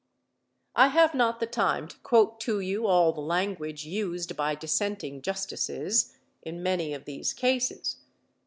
I have not the time to quote to you all the language used by dissenting justices in many of these cases.